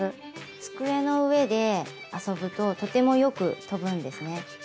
机の上で遊ぶととてもよく飛ぶんですね。